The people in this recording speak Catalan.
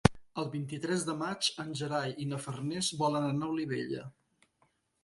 El vint-i-tres de maig en Gerai i na Farners volen anar a Olivella.